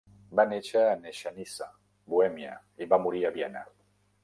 Va néixer a Nechanice, Bohèmia, i va morir a Viena.